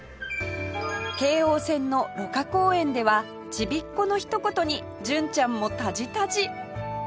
京王線の芦花公園ではちびっ子のひと言に純ちゃんもタジタジ！